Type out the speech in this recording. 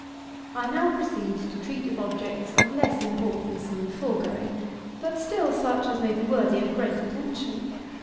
I now proceed to treat of objects of less importance than the foregoing, but still such as may be worthy of great attention.